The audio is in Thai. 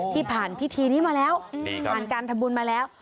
ที่ผ่านพิธีนี้มาแล้วผ่านการทำบุญมาแล้ว